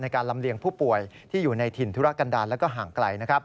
การลำเลียงผู้ป่วยที่อยู่ในถิ่นธุรกันดาลและห่างไกล